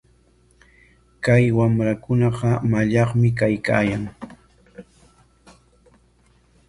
Kay wamrakunaqa mallaqmi kaykaayan.